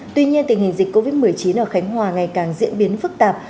tuy nhiên tình hình dịch covid một mươi chín ở khánh hòa ngày càng diễn biến phức tạp